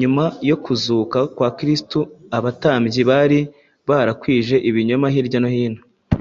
Nyuma yo kuzuka kwa Kristo abatambyi bari barakwije ibinyoma hirya no hino